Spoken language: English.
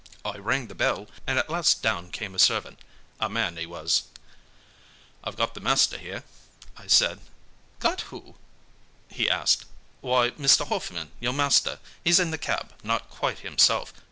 I rang the bell, and at last down came a servant a man, he was. "'I've got the master here,' I said. "'Got who?' he asked. "'Why Mr. Hoffman your master. He's in the cab, not quite himself.